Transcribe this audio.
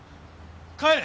帰れ！